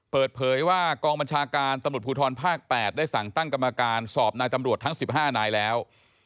เปิดเผยว่ากองบัญชาการตำรวจภูทรภาค๘ได้สั่งตั้งกรรมการสอบนายตำรวจทั้ง๑๕นายแล้ว